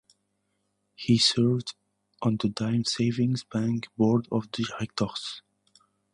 He served on the Dime Savings Bank board of directors.